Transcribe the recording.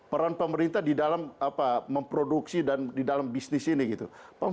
peran pemerintah di dalam memproduksi dan di dalam bisnis ini gitu